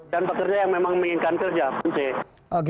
dan pekerja yang memang menginginkan kerja puci